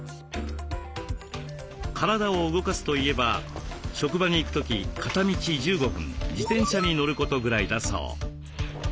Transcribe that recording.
体を動かすといえば職場に行く時片道１５分自転車に乗ることぐらいだそう。